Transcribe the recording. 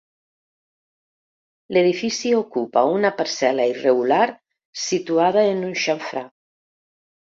L'edifici ocupa una parcel·la irregular situada en un xamfrà.